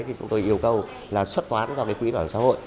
thì chúng tôi yêu cầu là xuất toán vào cái quỹ bảo hiểm xã hội